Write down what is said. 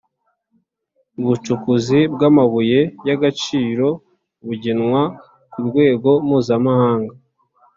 ubucukuzi bw amabuye y agaciro bugenwa ku rwego mpuzamahanga